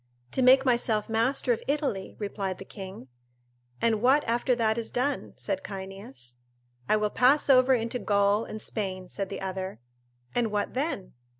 "To make myself master of Italy," replied the king. "And what after that is done?" said Cyneas. "I will pass over into Gaul and Spain," said the other. "And what then?"